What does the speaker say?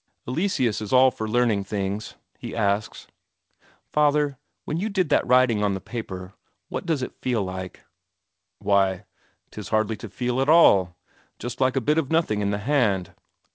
Eleseus is all for learning things; he asks: "Father, when you did that writing on the paper what does it feel like?" "Why, 'tis hardly to feel at all; just like a bit of nothing in the hand."